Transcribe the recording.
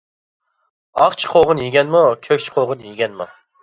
ئاقچى قوغۇن يېگەنمۇ، كۆكچى قوغۇن يېگەنمۇ.